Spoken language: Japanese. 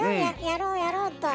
やろうやろうと。